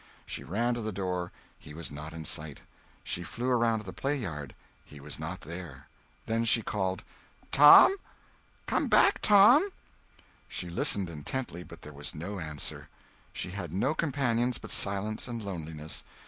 She ran to the door; he was not in sight; she flew around to the play yard; he was not there. Then she called: "Tom! Come back, Tom!" She listened intently, but there was no answer. She had no companions but silence and loneliness.